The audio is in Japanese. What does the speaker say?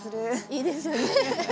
いいですよね。